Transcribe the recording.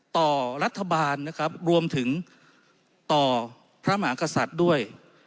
ต่อรัฐบาลนะครับรวมถึงต่อพระมหากษัตริย์ด้วย